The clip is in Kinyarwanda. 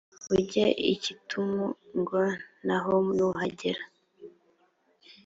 ujye i kitimu g na ho nuhagera